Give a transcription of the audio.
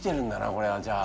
これはじゃあ。